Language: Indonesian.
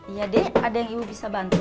iya deh ada yang ibu bisa bantu